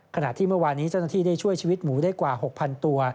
ขณะที่เมื่อวานนี้เจ้าหน้าที่ได้ช่วยชีวิตหมูได้กว่า๖๐๐ตัว